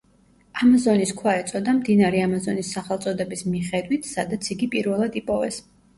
ამაზონის ქვა ეწოდა მდინარე ამაზონის სახელწოდების მიხედვით, სადაც იგი პირველად იპოვეს.